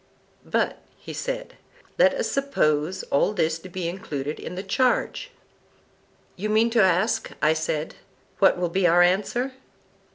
But, said he, let us suppose all this to be included in the charge. You mean to ask, I said, what will be our answer?